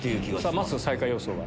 まっすー最下位予想は？